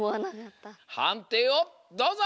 はんていをどうぞ！